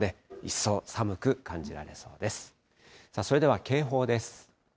それでは警報です。